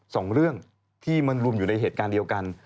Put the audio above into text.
สองเรื่องที่มันรุมอยู่ในเหตุการณ์เดียวกัน